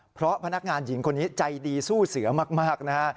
เพราะพนักงานหญิงคนนี้ใจดีสู้เสือมากนะฮะ